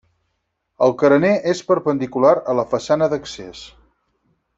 El carener és perpendicular a la façana d'accés.